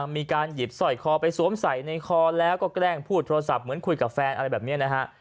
มีการหยิบสร้อยคอไปสวมใส่ในคอแล้วก็แกล้งพูดโทรศัพท์เหมือนคุยกับแฟนอะไรแบบนี้นะฮะ